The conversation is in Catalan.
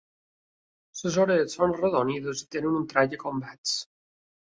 Les orelles són arrodonides i tenen un trague convex.